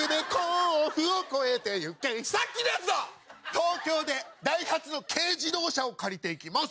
東京でダイハツの軽自動車を借りていきます！